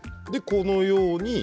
このように。